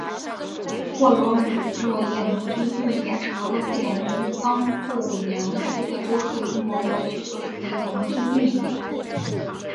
霍罗姆诺耶农村居民点是俄罗斯联邦布良斯克州克利莫沃区所属的一个农村居民点。